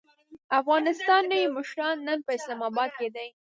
د افغانستان نوی مشر نن په اسلام اباد کې دی.